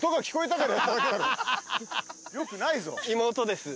よくないぞ。